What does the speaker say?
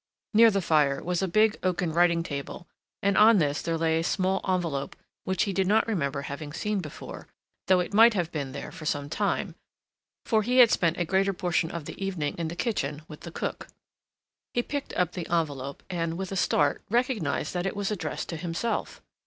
Near the fire was a big, oaken writing table and on this there lay a small envelope which he did not remember having seen before, though it might have been there for some time, for he had spent a greater portion of the evening in the kitchen with the cook. He picked up the envelope, and, with a start, recognised that it was addressed to himself.